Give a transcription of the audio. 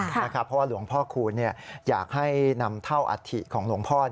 เพราะว่าหลวงพ่อคูณอยากให้นำเท่าอัฐิของหลวงพ่อ